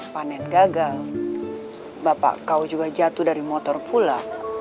panen gagal bapak kau juga jatuh dari motor pula